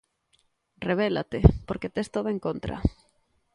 Rebélate, porque tes todo en contra.